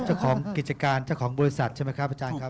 เจ้าของกิจการเจ้าของบริษัทใช่ไหมครับอาจารย์ครับ